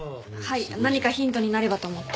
はい何かヒントになればと思って。